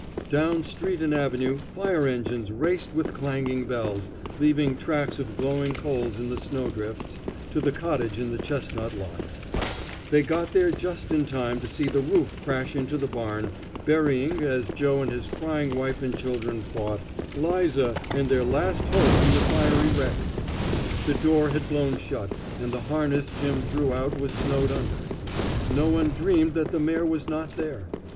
Down street and avenue fire engines raced with clanging bells, leaving tracks of glowing coals in the snow drifts, to the cottage in the chestnut lots. They got there just in time to see the roof crash into the barn, burying, as Joe and his crying wife and children thought, 'Liza and their last hope in the fiery wreck. The door had blown shut, and the harness Jim threw out was snowed under. No one dreamed that the mare was not there.